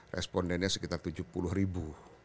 respondennya sekitar tujuh puluh ribu